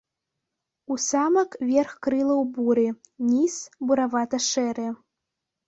У самак верх крылаў буры, ніз буравата-шэры.